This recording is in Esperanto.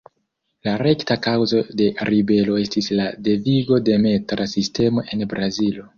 La rekta kaŭzo de ribelo estis la devigo de metra sistemo en Brazilo.